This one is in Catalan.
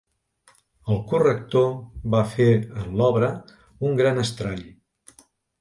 El corrector va fer en l'obra un gran estrall.